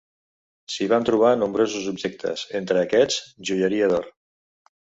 S'hi van trobar nombrosos objectes, entre aquests, joieria d'or.